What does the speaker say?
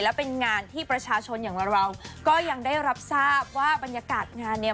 และเป็นงานที่ประชาชนอย่างเราก็ยังได้รับทราบว่าบรรยากาศงานเนี่ย